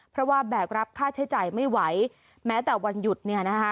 เพราะว่าแบกรับค่าใช้จ่ายไม่ไหวแม้แต่วันหยุดเนี่ยนะคะ